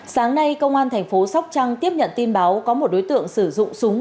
sáng nay công an thành phố sóc trăng tiếp nhận tin báo có một đối tượng sử dụng súng